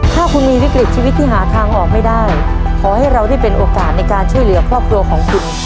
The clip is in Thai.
ถ้าคุณมีวิกฤตชีวิตที่หาทางออกไม่ได้ขอให้เราได้เป็นโอกาสในการช่วยเหลือครอบครัวของคุณ